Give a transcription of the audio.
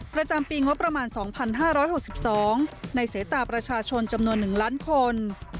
ประจำปีงบประมาณ๒๕๖๒ในเสตาประชาชนจำนวน๑ล้านคน